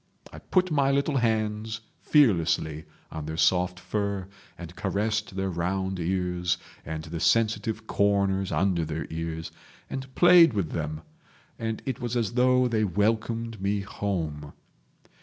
I put my little hands fearlessly on their soft fur, and caressed their round ears and the sensitive corners under their ears, and played with them, and it was as though they welcomed me home.